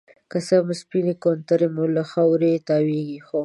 که څه هم سپينې کونترې مو له خاورې تاويږي ،خو